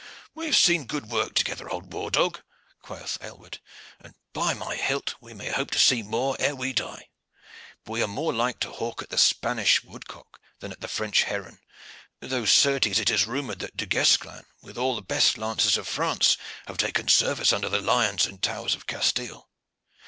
"We have seen good work together, old war dog," quoth Aylward; "and, by my hilt! we may hope to see more ere we die. But we are more like to hawk at the Spanish woodcock than at the French heron, though certes it is rumored that Du Guesclin with all the best lances of France have taken service under the lions and towers of Castile.